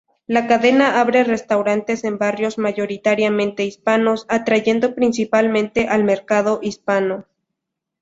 La cadena abre restaurantes en barrios mayoritariamente hispanos, atrayendo principalmente al mercado hispano.